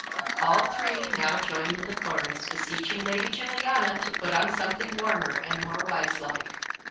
All three now joined in the chorus, beseeching Lady Juliana to put on something warmer and more wiselike.